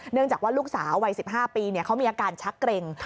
เนื่องจากว่าลูกสาววัย๑๕ปีเขามีอาการชักเกร็ง